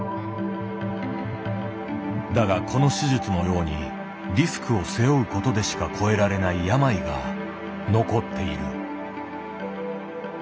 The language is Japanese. だがこの手術のようにリスクを背負うことでしか越えられない病が残っている。